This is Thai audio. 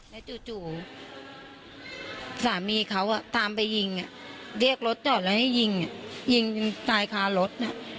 แล้วจู่สามีเขาตามไปยิงเรียกรถจอดแล้วให้ยิงยิงตายคารถ